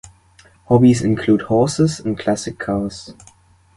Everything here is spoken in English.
Hobbies include horses and classic cars.